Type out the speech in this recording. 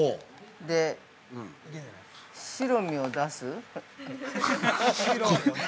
で、白身を出す？